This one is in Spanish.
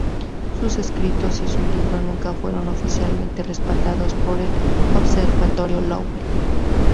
Sus escritos y su libro nunca fueron oficialmente respaldados por el Observatorio Lowell.